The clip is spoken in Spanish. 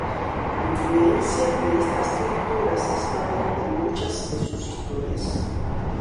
La influencia de estas lecturas es patente en muchas de sus historias.